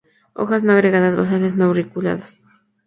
Hojas no agregadas basales; no auriculadas.